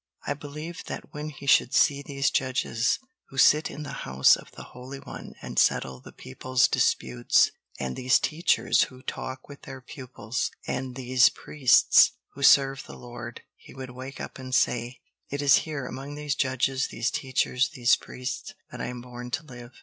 "I believed that when he should see these judges, who sit in the house of the Holy One and settle the people's disputes, and these teachers who talk with their pupils, and these priests who serve the Lord, he would wake up and say: 'It is here, among these judges, these teachers, these priests, that I am born to live.